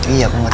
iya aku ngerti